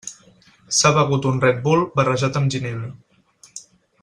S'ha begut un Red Bull barrejat amb ginebra.